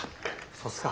そうすか。